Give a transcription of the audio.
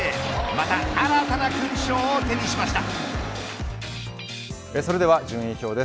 また新たな勲章を手にしました。